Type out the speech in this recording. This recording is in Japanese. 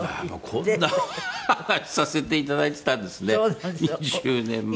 こんなお話させていただいてたんですね２０年前に。